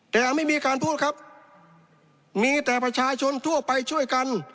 แต่ยังไม่มีการพูดครับมีแต่ประชาชนทั่วไปช่วยกัน